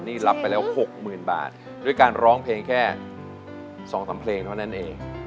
ตรงนี้ร้องเพลงแค่สองสามเพลงเท่านั้นเอง